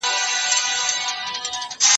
ما چي ول بالا به مېلمانه ډېر وي باره لږ ول